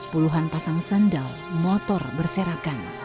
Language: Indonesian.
puluhan pasang sandal motor berserakan